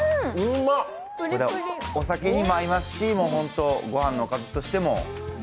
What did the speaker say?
お酒にも合いますし御飯のおかずとしても。